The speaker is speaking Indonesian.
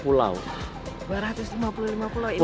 dua ratus lima puluh lima pulau ini semua